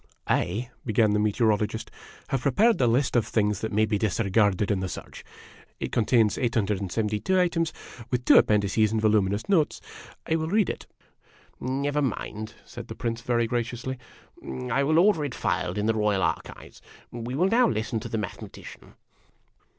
" I," began the Meteorologist, "have prepared a list of the things that may be disregarded in the search. It contains 872 items, with two appendices and voluminous notes. I will read it." " Never mind," said the Prince, very graciously. " I will order it filed in the Royal Archives. We will now listen to the Mathe matician."